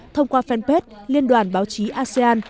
thông qua fanpage liên đoàn báo chí asean